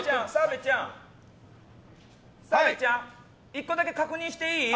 澤部ちゃん１個だけ確認していい？